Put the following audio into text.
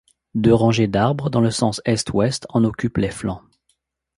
Deux rangées d'arbres, dans le sens est-ouest, en occupe les flancs.